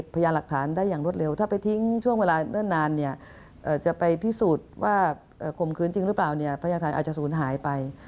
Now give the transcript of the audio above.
พญาทันอาจจะศูนย์หายไป